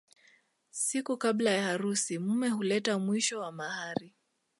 Siku kabla ya harusi mume huleta mwisho wa mahari